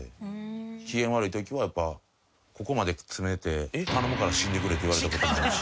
機嫌悪い時はやっぱここまで詰めて頼むから死んでくれって言われた事もあるし。